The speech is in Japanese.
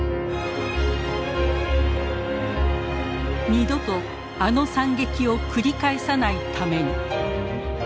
二度とあの惨劇を繰り返さないために。